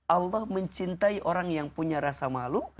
allah mencintai orang yang punya rasa malu